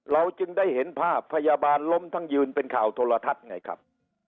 เราจึงได้เห็นภาพพยาบาลล้มทั้งยืนเป็นข่าวโทรทัศน์ไงครับ